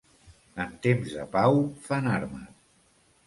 En temps de pau, fan armes.